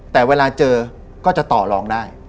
แต่เวลาเจอก็จะต่อลองได้